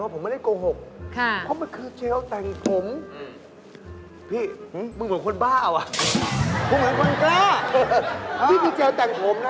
ราคาไม่แพง